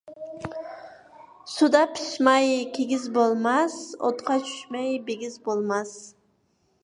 سۇدا پىىشماي كىگىز بولماس، ئوتقا چۈشمەي بىگىز بولماس.